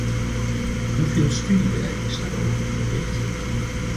Hoeveel studiewerk is daarover verricht?